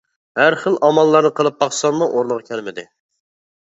ھەر خىل ئاماللارنى قىلىپ باقساممۇ ئورنىغا كەلمىدى.